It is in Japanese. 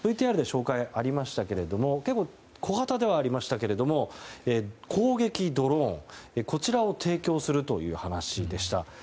ＶＴＲで紹介がありましたけど結構、小型ではありましたけど攻撃ドローンを提供するという話でした。